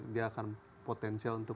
dia akan potensial untuk